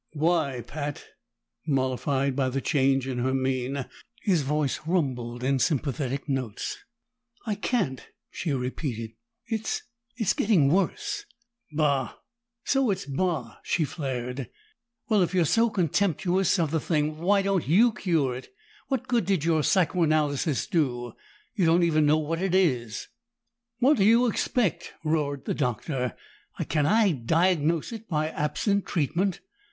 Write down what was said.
"Why, Pat?" Mollified by the change in her mien, his voice rumbled in sympathetic notes. "I can't," she repeated. "It's it's getting worse." "Bah!" "So it's 'Bah'!" she flared. "Well, if you're so contemptuous of the thing, why don't you cure it? What good did your psychoanalysis do? You don't even know what it is!" "What do you expect?" roared the Doctor. "Can I diagnose it by absent treatment?